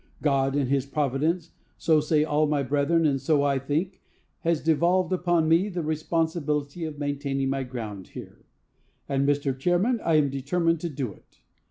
God, in his providence,—so say all my brethren, and so I think,—has devolved upon me the responsibility of maintaining my ground here; and, Mr. Chairman, I am determined to do it.